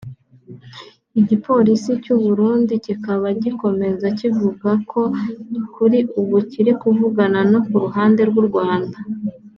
Igipolisi cy’u Burundi kikaba gikomeza kivuga ko kuri ubu kiri kuvugana no ku ruhande rw’u Rwanda